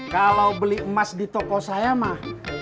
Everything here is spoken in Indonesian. kalau beli emas di toko saya mah